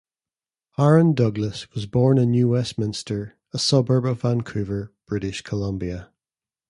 Aaron Douglas was born in New Westminster, a suburb of Vancouver, British Columbia.